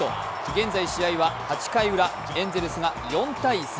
現在試合は８回ウラ、エンゼルスが４−３。